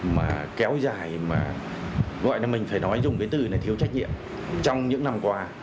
mà kéo dài mà gọi là mình phải nói dùng cái từ này thiếu trách nhiệm trong những năm qua